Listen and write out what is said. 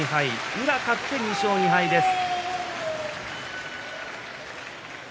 宇良、勝って２勝２敗です。